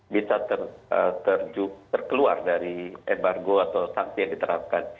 bisa terkeluar dari embargo atau sanksi yang diterapkan